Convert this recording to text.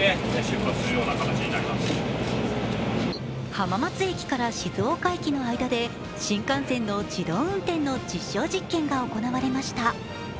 浜松駅から静岡駅の間で新幹線の自動運転の実証実験が行われました。